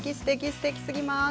すてきすぎます